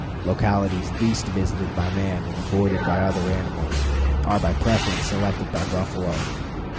Localities least visited by man and avoided by other animals are by preference selected by buffalo.